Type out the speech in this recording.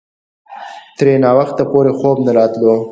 ترې ناوخته پورې خوب نه راتلو.